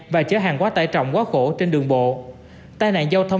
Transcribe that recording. và chở hàng quá tải trọng quá khổ trên đường bộ